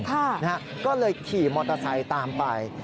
เท่านั้นนะเขาเลยขี่ม็อเตอร์ไซค์ตามไป